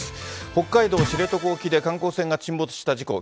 北海道知床沖で観光船が沈没した事故。